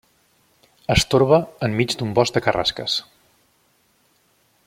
Es torba enmig d'un bosc de carrasques.